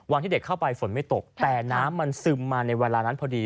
วันที่เด็กเข้าไปฝนไม่ตกแต่น้ำมันซึมมาในเวลานั้นพอดี